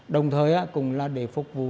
đồng thời cũng là để phục vụ